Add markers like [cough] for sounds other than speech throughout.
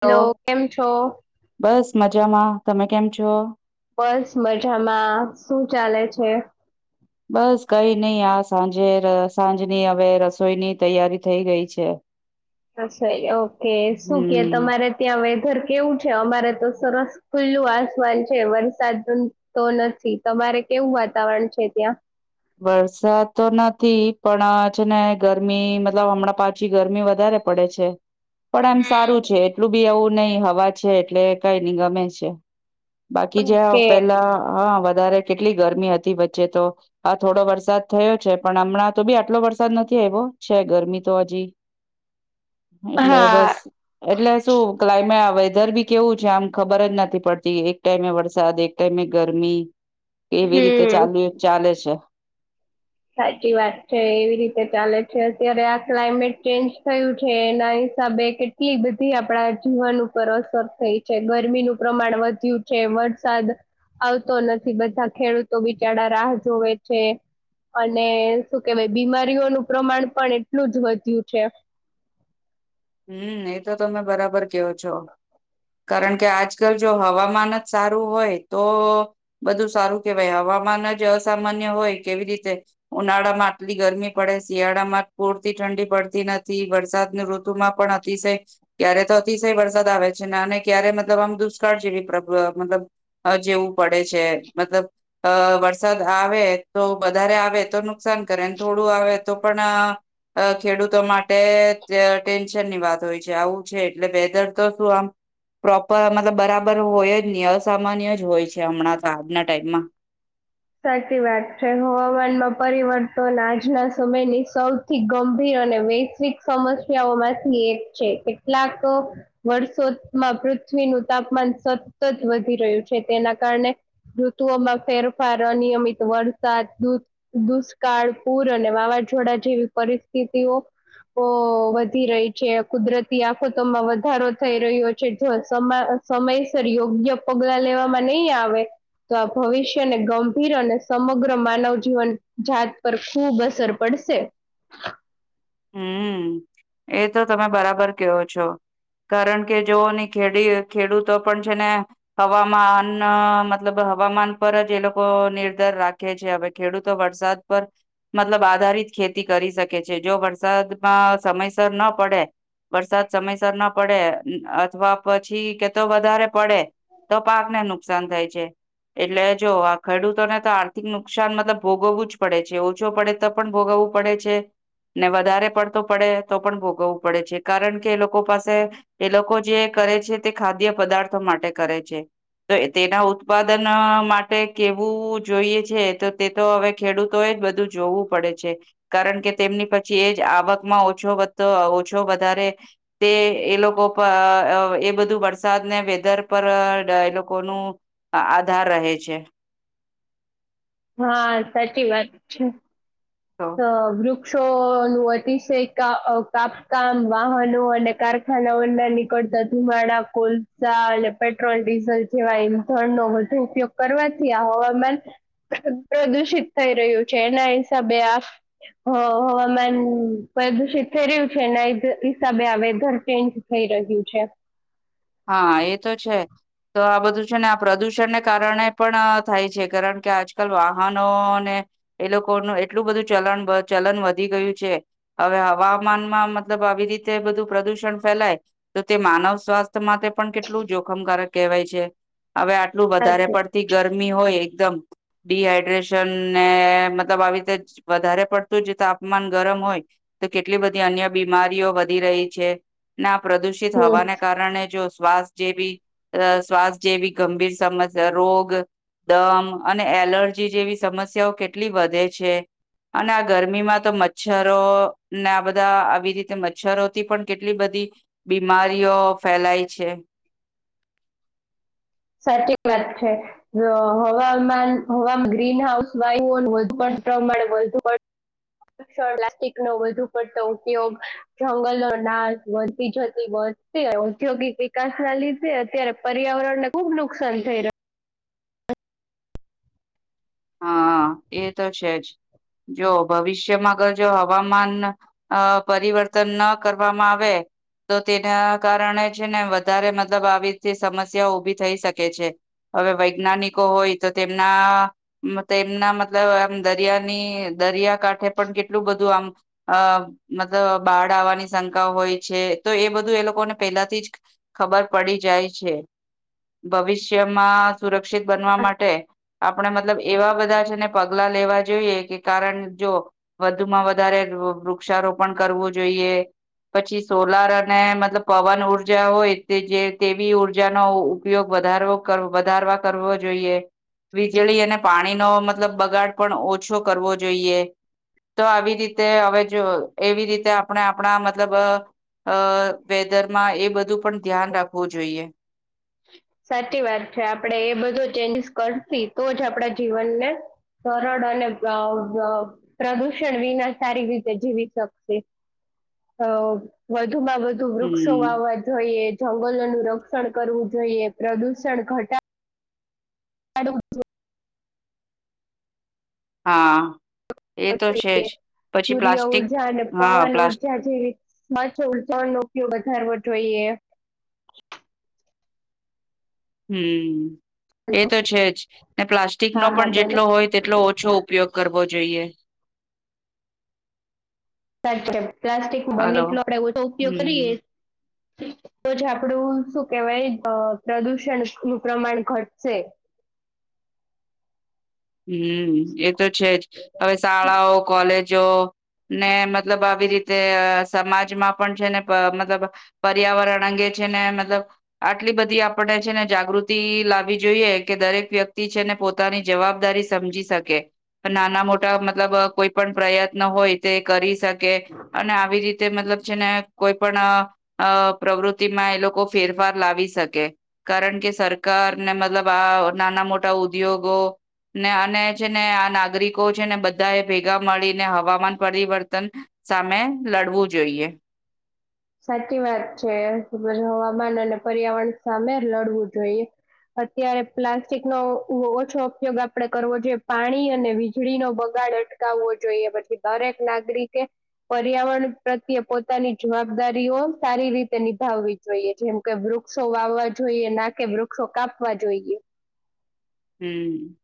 Hello કેમ છો? બસ મજામાં તમે કેમ છો? બસ મજામાં શું ચાલે છે? બસ કઈ નહી આ સાંજે સાંજની હવે રસોઈની તૈયારી થઈ ગઈ છે. અછા ઓકે શું કે હમ તમારે ત્યાં વેધર કેવું છે અમારે તો સરસ ખુલ્લું આસમાન છે વરસાદ તો તો નથી તમારે કેવું વાતાવરણ છે ત્યાં? વરસાદ તો નથી પણ છે ને ગરમી મતલબ હમણાં પાછી ગરમી વધારે પડે છે. પણ આમ સારું હમ છે એટલું બી એવું નહિ હવા છે એટલે કઈ નહી ગમે છે. બાકી જ ઓકે પેલા હા વધારે કેટલી ગરમી હતી વચ્ચે તો આ થોડો વરસાદ થયો છે પણ હમણાં તો બી આટલો વરસાદ નથી આવ્યો છે ગરમી તો હજી એટલે હા બસ એટલે શું ક્લાયમે આવે ગરમી બી કેવું છે આમ ખબર જ નથી પડતી એક ટાઈમે વરસાદ એક ટાઈમે ગરમી કેવી રીતે હમ ચાલુ ચાલે છે? સાચી વાત છે એવી રીતે ચાલે છે અત્યારે આ ક્લાઇમેટ ચેન્જ થયું છે એના હિસાબે કેટલી બધી આપણા જીવન ઉપર અસર થઈ છે ગરમીનું પ્રમાણ વધ્યું છે. વરસાદ આવતો નથી બધા ખેડૂતો બિચારા રાહ જોવે છે. અને શું કેવાય બીમારીઓનું પ્રમાણ પણ એટલું જ વધ્યું છે. હમ એ તો તમે બરાબર કયો છો. કારણ કે આજકાલ જો હવામાન જ સારું હોય તો બધું સારું કેહેવાય હવામાન આજો અસામાન્ય હોય કેવી રીતે ઉનાળા માં આટલી ગરમી પડે શિયાળામાં પૂરતી ઠંડી પડતી નથી વરસાદની ઋત ઋુમાં પણ અતિશય ક્યારે તો અતિશય વરસાદ આવે છે અને ક્યારે મતલબ આમ દુષ્કાળ જેવી મતલબ જેવું પડે છે મતલબ અ વરસાદ આવે તો વધારે આવે તો નુકસાન કરે થોડું આવે તો પણ ખેડૂતો માટે ટેન્શન ની વાત હોય છે આવું છે એટલે વેધર તો શું આમ પ્રોપર મતલબ બરાબર હોય જ નહી અસામાન્ય જ હોય છે હમણાં તો આજના ટાઈમમાં [inaudible] સાચી વાત છે હવામાનમાં પરિવર્તન આજના સમયની સૌથી ગંભીર અને વૈશ્વિક સમસ્યાઓમાંથી એક છે કેટલાક વર્ષોમાં પૃથ્વીનું તાપમાન સતત વધી રહ્યું છે તેના કારણે ઋતુઓમાં ફેર ફાર અનિયમિત વરસાદ દુષ્કાળ પૂર અને વાવાઝોડા જેવી પરિસ્થિતિ સ્થિતિઑ ઓ વધી રહી છે કુદરતી આફતોમાં વધારો થઈ રહ્યો છે જો સ સમયસર યોગ્ય પગલા લેવામાં નહીં આવે તો આ ભવિષ્ય અને ગંભીર અને સમગ્ર માનવ જીવન જાત પર ખૂબ અસર પડશે હમ એ તો તમે બરાબર કેવો છો. કારણ કે જોની ખેડી ખેડૂતો પણ છે ને હવામાં અન્ન મતલબ હવામાન પર જ એ લોકો નિર્ધર રાખે છે હવે ખેડૂતો વરસાદ પર મતલબ આધારિત ખેતી કરી શકે છે જો વરસાદમાં સમયસર ન પડે વરસાદ સમયસર ન પડે અથવા પછી કે તો વધારે પડે તો પાકને નુકસાન થાય છે. એટલે જો આ ખેડૂતોને તો આર્થિક નુકસાન મતલબ ભોગવવું જ પડે છે ઓછો પડે તો પણ ભોગવ પડે છે ને વધારે પડતો પડે તો પણ ભોગવવું પડે છે. કારણ કે એ લોકો પાસે એ લોકો જે કરે છે તે ખાદ્ય પદાર્થો માટે કરે છે. તો તેના ઉત્પાદન માટે કેવું જોઈએ છે તો તે તો હવે ખેડૂતોએ બધું જોવું પડે છે કારણ કે તેમની પ છી એ જ આવકમાં ઓછો વતો ઓછો વધારે તે એ લોકો પા અ એ બધું વરસાદ ને વેધર પર એ લોકો નુ આધાર રહે છે. હા સાચી વાત છે તો વુ ક્ષો નું અતિશય કા અ કાપકામ વાહનો અને કારખાનાઓના નિકટ તા ધુમાડા કોલસા પેટ્રોલ ડીઝલ જેવા ઈંધણનો વધુ ઉપયોગ કરવાથી હવામાન પ્રદુષિત થઈ રહ્યું છે એના હિસાબે આ [inaudible] હ હવામાન પ્રદુષિત થઈ રહ્યું છે હિસાબે આ વેધર ચેન્જ થઈ ર રહ્યું છે. હા એ તો છે. તો આ બધું છે ને આ પ્રદુષણને કારણે પણ થાય છે કારણ કે આજકાલ વાહનોને એ લોકોનું એટલું બધું ચલન ચલન વધી ગયું છે હવે હવામાનમાં મતલબ આવી રીતે બધું પ્રદુષણ ફેલાય તો તે માનવ સ્વાસ્થ માટે પણ કેટલું જોખમકારક કહેવાય છે. હવે આટલું વધારે સાચી વાત. પડતી ગરમી હોય એકદમ ડીહાઈડ્રેશન ને મતલબ આવી રીતે વધારે પડતું જે તાપમાન ગરમ હોય તો કેટલી બધી અન્ય બીમારીઓ વધી રહી છે ને પ્રદુષિત હમ હવાને કારણે જો શ્વાસ જેવી અ શ્વાસ જેવી ગંભીર સમસ્યા રોગ દમ અને એલર્જી જેવી સમસ્યાઓ કેટલી વધે છે. અને આ ગરમીમાં તો મચ્છરો ને આ બધા આવી રીતે મચ્છરોથી પણ કેટલી બ ધી બીમારીઓ ફેલાય છે. સાચી વાત છે હ હવામાન હવા ગ્રીન હાઉસ વાયુ ઓ વધુ પણ પ્રમાણે વધુ પણ પ્લાસટીકનો વધુ પડતો ઉપયોગ જંગલો ના વધતી જતી ઔદ્યોગિક વિકાસ ના લીધે અત્યારે પર્યાવરણને ખુબ નુકસાન થઈ રહ્યું હા, એ તો છે જ જો ભવિષ્યમાં અગર જો હવામાન અ પરિવર્તન ન કરવામાં આવે તો તેના કારણે છે ને વધારે મતલબ આવી તે સમસ્યાઓ ઉભી થઈ શકે છે. હવે વૈજ્ઞાનિકો હોય, તો તેમના તેમના મતલબ આમ દરિયાની દરિયાકાઠે પણ કેટલું બધું આમ અ મતલબ બાળ આવવાની શંકાઓ હોય છે, તો એ બધું એ લોકોને પહેલાથી જ ખબર પડી જાય છે, ભવિષ્યમાં સુર ક્ષિત બનવા રહ્યું માટે આપણે મતલબ એવા બધા છે ને પગલા લેવા જોઈએ, કે કારણ જો વધુમાં વધારે વુ વૃક્ષારો પળ કરવું જોઈએ. પછી સોલાર અને મતલબ પવન ઊર્જા હોય તે જે તેવી ઉઊર્જાનો ઉપયોગ વધાવરો કર વધારવા કરવો જોઈએ, વીજળી અને પાણીનો મતલબ બગાડ પણ ઓછો કરવો જોઈએ. તો આવી રીતે હવે જો એવી રીતે આપણે આપણા મતલબ અ અ વેધરમાં એ બધું પણ ધ્યાન રાખવું જોઈએ. સાચી વાત છે, આપડે એ બધો ચેન્જીસ કરસી તો જ આપડા જીવનને સરળ અને અ અ પ્રદુષણ વિના સારી રીતે જીવી શકશી. અ વધુમાં વધુ વૃક્ષો હમ વાવા જોઈએ, જંગલોનું રક્ષણ કરવું જોઈએ, પ્રદુષણ ઘટા ડવુ જો હા, એ તો જોઈએ છે જ. પછી સૂર્ય પ્લાસ્ટિક ઉર્જા અને હા પવન પ્લાસ્ટ ઉર્જા જેવી ઉર્જાઓ નો ઉપયોગ વધારવો જોયે. એ હમ્મ. એ તો છે જ, ને પ્લાસ્ટિકનો હા હા પણ બોલો જેટલો હોય તેટલો ઓછો ઉપયોગ કરવો જોઈએ. સાચે, પ્લાસ્ટિક બને હલો એટલો આપડે ઓછો ઉપયોગ કરીએ હમ તો જ આપણું, સુ કેહેવાય અ પ્રદૂષણ નું પ્રમાણ ઘટસે. [inaudible] હમ્મ, એ તો છે જ, હવે સાડાઓ, કોલેજો ને મતલબ આવી રીતે સમાજમાં પણ છે ને, પ મતલબ પર્યાવરણ અંગે છે ને મતલબ આટલી બધી આપણે છે ને જાગૃતિ લાવવી જોઈએ, કે દરેક વ્યક્તિ છે ને પોતાની જવાબ દારી સમજી સકે, નાના મોટા મતલબ અ કોઈ પણ પ્રયત્ન હોય તે કરી સકે. અને આવી રીતે મતલબ છે ને કોઈ પણ અ અ પ્રવૃતિ માં એ લોકો ફેરફાર લાવી સકે, કારણ કે સરકાર ને મતલબ આ નાના મોટા ઉદ્યોગો ને અને છે ને આ નાગરિકો છે ને બધા એ ભેગા મળીને હવામાન પરિવર્તન સામે લડવું જોઈએ. સાચી વાત છે, [unintelligible] હવામાન અને પર્યાવરણ સામે લડવું જોઈએ. અત્યારે પ્લાસ્ટિક નો ઓ ઓછો ઉપયોગ આપડે કરવો જોયે, પાણી અને વીજળીનો બગા ડ અટકાવવો જોઈએ, પછી દરેક નાગરિક એ પર્યાવરણ પ્રત્યે પોતાની જુવાબ દારીઓ સારી રીતે નિભાવવી જોઈએ, જેમ કે વૃક્ષો વાવવા જોઈએ ના કે વૃક્ષો કાપ વા જોઈયે. હમ્મ,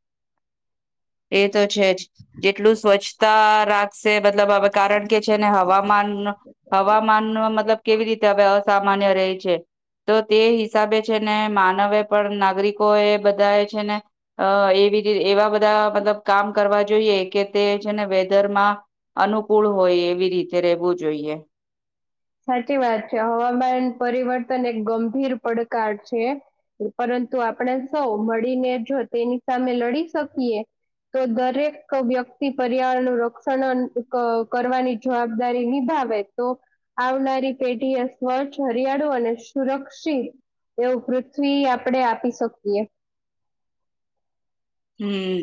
એ તો છે જ જેટલું સ્વચ્છતા રાખ સે મતલબ હવે કારણ કે છેને હવામાન હવામાન મતલબ કેવી રીતે હવે અ સામાન્ય રહી છે. તો તે હિસાબે છે ને માનવે પણ નાગરિકો એ બધા એ છે ને અ એવી રી એવા બધા મતલબ કામ કરવા જોઈએ, કે તે છે ને વેધરમાં અનુકૂળ હોય એવી રીતે રેહવું જોઈયે. સાચી વાત છે, હવામાન પરિવર્તન એક ગંભીર પડકાર છે. પરંતુ આપણે સૌ મળીને જો તેની સામે લડી શકીએ તો દરેક વ્યક્તિ પર્યાવરણ વ્યક્તિ પર્યાવરણનું રક્ષણ કરવાની જવાબદારી નિભા આવે તો આવનારી પેઢી એ સ્વચ્છ હરિયાળુ અને સુરક્ષિત એવું પૃથ્વી આપડે આપી શકીએ [inaudible] હમ્મ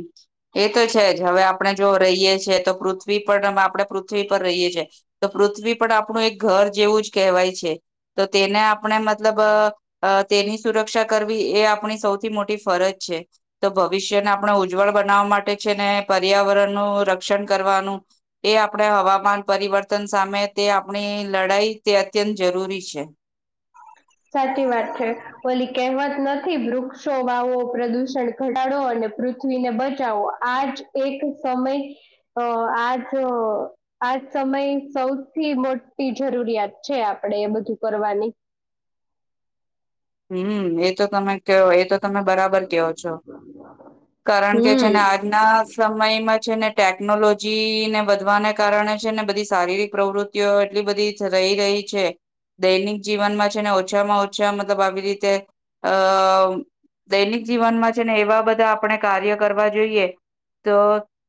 એ તો છે જ હવે આપણે જો રહીએ છેએ તો પૃથ્વી પર આપણે પૃથ્વી પર રહીએ કે છે તો પૃથ્વી પણ આપણું એક ઘર જેવું જ કહેવાય છે તો તેને આપણે મતલબ અ અ તેની સુરક્ષા કરવી એ આપણી સૌથી મોટી ફરજ છે તો વિષ્યને આપણે ઉજ્જવળ બનાવવા માટે છે ને પર્યાવરણનું રક્ષણ કરવાનું એ આપણે હવામાન પરિવર્તન સામે તે આપણી લડાઈ તે અત્યંત જરૂરી છે [inaudible] સાચી વાત છે ઓલી કહેવત નથી વૃક્ષો વાવો પ્રદૂષણ ઘટાડો અને પૃથ્વીને બચાવો આજ એક સમય અ આજ આ સમય સૌથી મોટી જરૂરિયાત છે આપણેે એ બધું કરવાની હમ એ તો તમે કે એ તો તમે બરાબર કેહો છો કારણ કે છે હમ ને આજના સમયમાં છે ને ટેકનોલોજી જીને વધવાને કારણે છે ને બધી શારીરિક પ્રવૃત્તિઓ એટલી બધીજ રહી ગય છે દૈનિક જીવનમાં છે ને ઓછામાં ઓછા મતલબ આવી રીતે અ દૈનિક જીવનમાં છે ને એવા બધા આપણે કાર્ય કરવા જોઈએ તો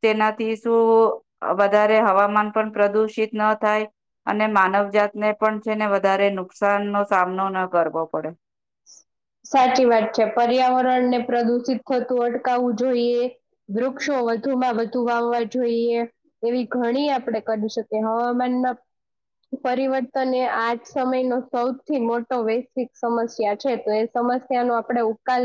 તેનાથી શું વધારે હવામાન. પણ પ્રદુષિત ન થાય અને માનવજતને પણ છે ને વધારે નુકસાન નો સામનો. ના કરવો. [inaudible] સાચી વાત છે પર્યાવરણ ને પ્રદુષિત થતું અટકાવવું જોઈએ વૃક્ષો. વધુમાં વધુ વાવવા જોઈએ એવી ઘણી આપડ કરી શકીએ હવામાનમાં. પરિવર્તન એ આજ સમય નો સૌથી મોટો વૈશ્વિક સમસ્યા. છે તો એ સમસ્યા નો આપણે ઉકાલ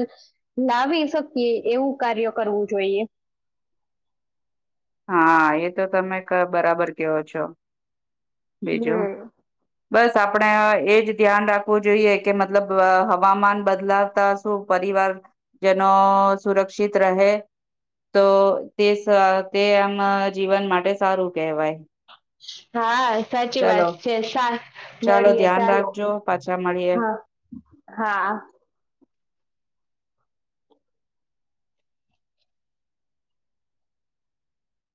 લાવી શકીએ એવું કાર્ય કરવું જોઈએ. [inaudible] હા એ તો તમે બરાબર કેવો છો. બીજું હમ્મ બસ આપણેે એજ ધ્યાન રાખવું જોઈએ કે મતલબ હવામાન બદલાવતા શું પ વાર જનો સુરક્ષિત રહે તો તે શ તે આમ જીવન માટે સારું કહેવાય. હા. સાચી ચાલો વાત છે સા ચાલો મળીએ ધ્યાન ચાલો રાખજો પાછા મળીએ હા. હા.